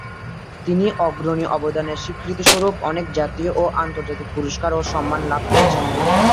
তিনি অগ্রণী অবদানের স্বীকৃতিস্বরূপ অনেক জাতীয় এবং আন্তর্জাতিক পুরস্কার এবং সম্মান লাভ করেছেন।